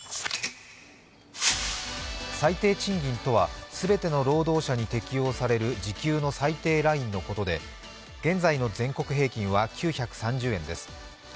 最低賃金とは、すべての労働者に適用される時給の最低ラインのことで現在の全国平均は９３０円です。